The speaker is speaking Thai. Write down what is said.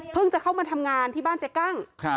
เพิ่งจะเข้ามาทำงานที่บ้านเจ๊กล้าง